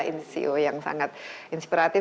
ini ceo yang sangat inspiratif